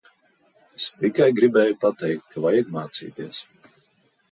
Es tikai gribēju pateikt, ka vajag mācīties.